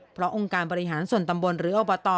เพราะองค์การบริหารส่วนตำบลหรืออบต